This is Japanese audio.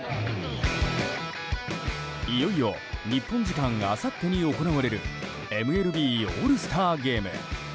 いよいよ日本時間あさってに行われるＭＬＢオールスターゲーム。